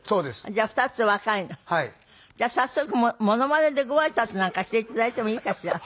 じゃあ早速モノマネでご挨拶なんかして頂いてもいいかしら？